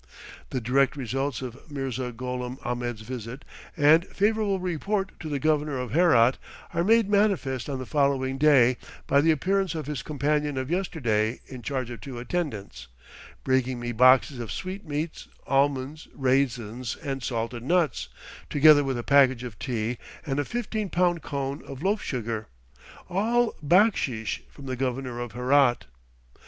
The direct results of Mirza Gholam Ahmed's visit and favorable report to the Governor of Herat, are made manifest on the following day by the appearance of his companion of yesterday in charge of two attendants, bringing me boxes of sweetmeats, almonds, raisins, and salted nuts, together with a package of tea and a fifteen pound cone of loaf sugar; all backsheesh from the Governor of Herat.